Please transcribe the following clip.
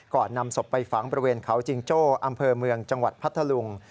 นำศพไปฝังบริเวณเขาจิงโจ้อำเภอเมืองจังหวัดพัทธลุง